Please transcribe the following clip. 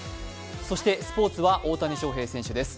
そしてスポーツは大谷翔平選手です。